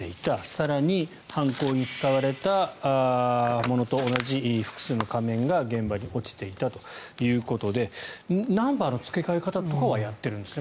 更に犯行に使われたものと同じ複数の仮面が現場に落ちていたということでナンバーの付け替え方というのはやってるんですね。